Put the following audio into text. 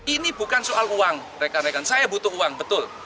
ini bukan soal uang rekan rekan saya butuh uang betul